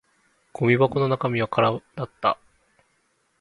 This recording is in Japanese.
ゴミ箱の中身は空だった